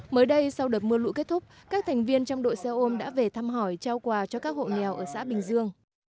mới đây sau đợt mưa lũ kết thúc các thành viên trong đội xe ôm đã về thăm hỏi trao quà cho các hộ nghèo ở xã bình dương